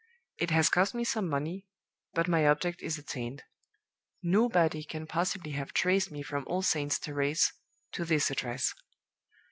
It has cost me some money; but my object is attained! Nobody can possibly have traced me from All Saints' Terrace to this address.